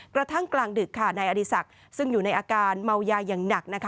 กระทั่งกลางดึกนายอดีศักดิ์ซึ่งอยู่ในอาการเมายาอย่างหนักนะคะ